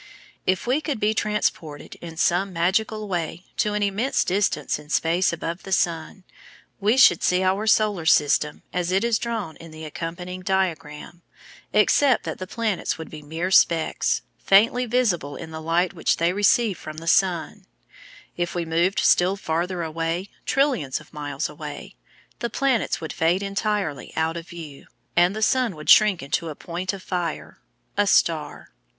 If we could be transported in some magical way to an immense distance in space above the sun, we should see our Solar System as it is drawn in the accompanying diagram (Fig. 1), except that the planets would be mere specks, faintly visible in the light which they receive from the sun. (This diagram is drawn approximately to scale.) If we moved still farther away, trillions of miles away, the planets would fade entirely out of view, and the sun would shrink into a point of fire, a star.